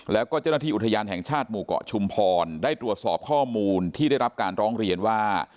แล้วก็เจ้าหน้าที่อุทยานแห่งชาติหมู่เกาะชุมพรได้ตรวจสอบข้อมูลที่ได้รับการร้องเรียนว่า